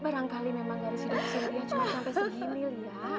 barangkali memang dari sidik sidiknya cuma sampai segini liat